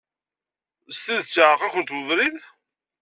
S tidet iɛeṛeq-akent webrid?